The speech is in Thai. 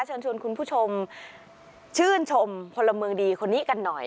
เชิญชวนคุณผู้ชมชื่นชมพลเมืองดีคนนี้กันหน่อย